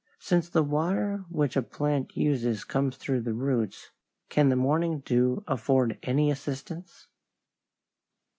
Since the water which a plant uses comes through the roots, can the morning dew afford any assistance?